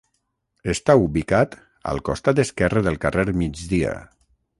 Està ubicat al costat esquerre del carrer Migdia.